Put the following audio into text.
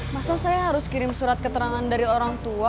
masa saya harus kirim surat keterangan dari orang tua